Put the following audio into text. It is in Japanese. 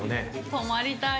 ◆泊まりたいです◆